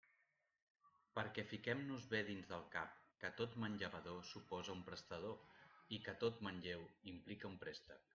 Perquè fiquem-nos bé dins del cap que tot manllevador suposa un prestador, i que tot malleu implica un préstec.